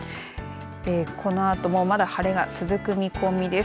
このあともまだ晴れが続く見込みです。